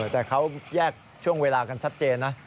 แต่เขาแยกช่วงเวลากันชัดเจนนะ